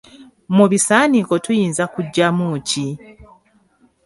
Mu bisaniiko tuyinza kuggyamu ki?